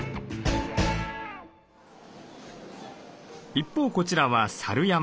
一方こちらはサル山。